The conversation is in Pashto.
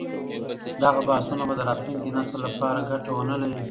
دغه بحثونه به د راتلونکي نسل لپاره ګټه ونه لري.